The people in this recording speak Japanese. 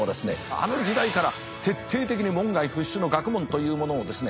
あの時代から徹底的に門外不出の学問というものをですね